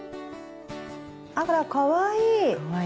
あらかわいい。